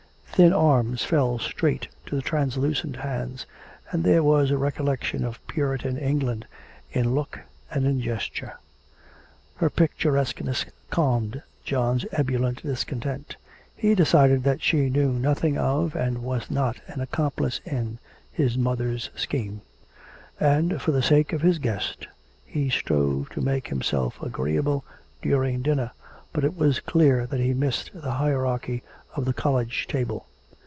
Thin arms fell straight to the translucent hands, and there was a recollection of Puritan England in look and in gesture. Her picturesqueness calmed John's ebullient discontent; he decided that she knew nothing of, and was not an accomplice in, his mother's scheme. And, for the sake of his guest, he strove to make himself agreeable during dinner, but it was clear that he missed the hierarchy of the college table.